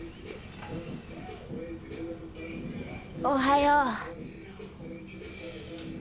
おはよう。